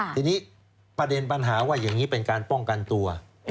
ทีนี้ประเด็นปัญหาว่าอย่างนี้เป็นการป้องกันตัว